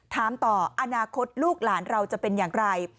ถามต่ออนาคตลูกหลานเราจะเป็นอย่างไร